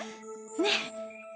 ねえ？